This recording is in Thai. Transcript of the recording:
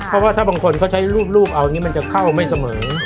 เพราะว่าถ้าบางคนเขาใช้รูปเอาอย่างนี้มันจะเข้าไม่เสมอ